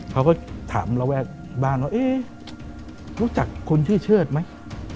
เขาก็ถามระแวกบ้านว่าเอ๊ะรู้จักคนชื่อเชิดไหม